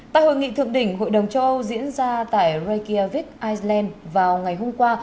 tại hội nghị thượng đỉnh hội đồng châu âu diễn ra tại reykjavik iceland vào ngày hôm qua